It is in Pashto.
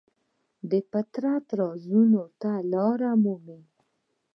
د فطرت رازونو ته لاره مومي.